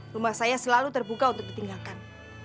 rumah saya selalu terbuka untuk ditinggalkan